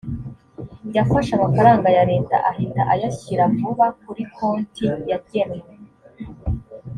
yafashe amafaranga ya leta ahita ayashyira vuba kuri konti yagenwe